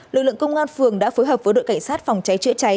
lực lượng công an phường đã phối hợp với đội cảnh sát phòng cháy chữa cháy